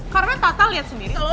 karena total liat sendiri